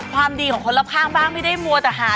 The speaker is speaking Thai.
ความดีของคนรอบข้างบ้างไม่ได้มัวแต่หา